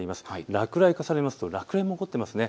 落雷を重ねますと落雷も起こっていますね。